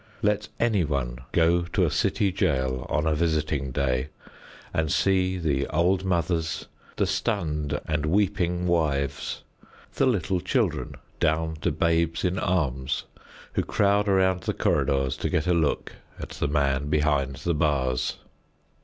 Let anyone go to a city jail on a visiting day and see the old mothers, the stunned and weeping wives, the little children, down to babes in arms, who crowd around the corridors to get a look at the man behind the bars.